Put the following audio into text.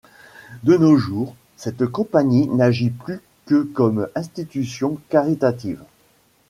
De nos jours, cette compagnie n'agit plus que comme institution caritative.